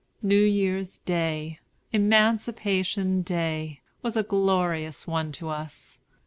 New Year's Day, Emancipation Day, was a glorious one to us.